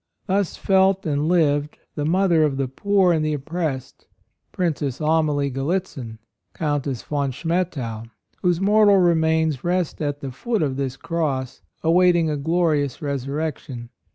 Thus felt and lived the mother of the poor and the oppressed, Princess Amalie Gallitzin, Countess von AND MOTHER. Ill Schmettau, whose mortal re mains rest at the foot of this cross, awaiting a glorious resurrection.